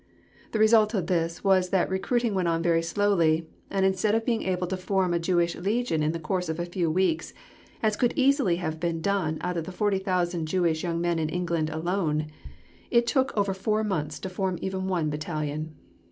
The result of this was that recruiting went on very slowly, and instead of being able to form a Jewish legion in the course of a few weeks, as could easily have been done out of the 40,000 Jewish young men in England alone, it took over four months to form even one battalion.